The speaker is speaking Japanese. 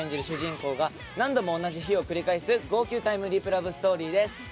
主人公が何度も同じ日を繰り返す号泣タイムリープラブストーリーです。